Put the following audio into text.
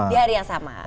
di hari yang sama